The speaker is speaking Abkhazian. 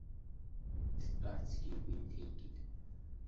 Дтәарцгьы игәы инҭеикит.